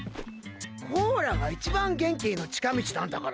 コーラが一番元気への近道なんだから。